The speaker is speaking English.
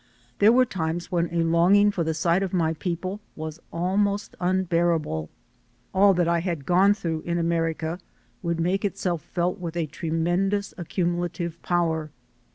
There were times when a longing for the sight of my people was almost unbearable. All that I had gone through in America would make itself felt with a tremendous accumula tive power.